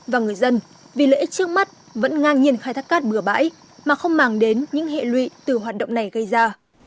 và người dân vì lợi ích trước mắt vẫn ngang nhiên khai thác cát bừa bãi mà không mang đến những hệ lụy từ hoạt động này gây ra